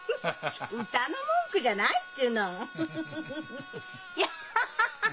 歌の文句じゃないっていうの。